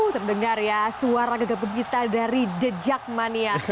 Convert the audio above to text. terdengar ya suara gagap kita dari the jagmania